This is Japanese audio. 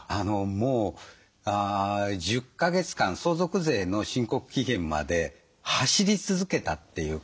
もう１０か月間相続税の申告期限まで走り続けたという感じです。